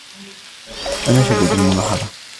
أنا شديد الملاحظة.